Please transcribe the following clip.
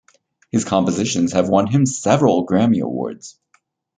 His compositions have won him several Grammy Awards.